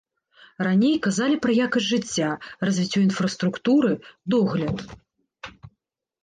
Раней казалі пра якасць жыцця, развіццё інфраструктуры, догляд.